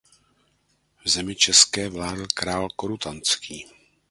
V zemi České vládl král Korutanský.